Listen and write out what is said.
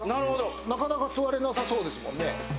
なかなか座れなさそうですもんね。